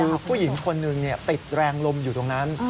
คือผู้หญิงคนหนึ่งติดแรงลมอยู่ตรงนั้น